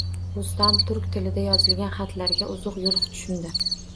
Rustam turk tilida yozilgan xatlarga uzuq-yuluq tushundi